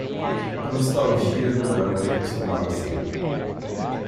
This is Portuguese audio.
A nostalgia não é o que costumava ser.